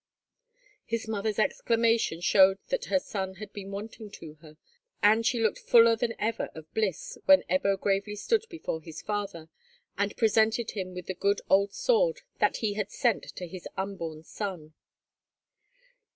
His mother's exclamation showed that her son had been wanting to her; and she looked fuller than ever of bliss when Ebbo gravely stood before his father, and presented him with the good old sword that he had sent to his unborn son.